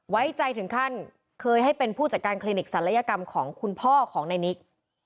ไว้ใจถึงขั้นเคยให้เป็นผู้จัดการคลินิกศัลยกรรมของคุณพ่อของนายนิก